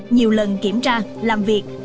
nhiều lần kiểm tra làm việc